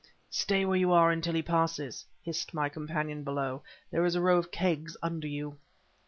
"Stay where you are until he passes," hissed my companion, below. "There is a row of kegs under you."